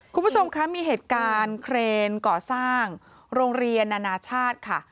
คุณผู้ชมคะมีเหตุการณ์เครนก่อสร้างโรงเรียนนานาชาติค่ะ